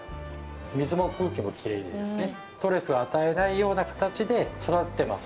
水も空気もきれいでストレスを与えないような形で育てています。